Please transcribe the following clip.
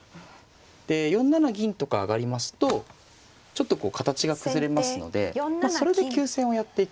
で４七銀とか上がりますとちょっとこう形が崩れますのでそれで急戦をやっていくと。